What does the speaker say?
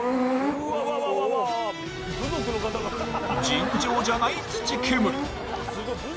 尋常じゃない土煙。